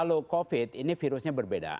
kalau covid ini virusnya berbeda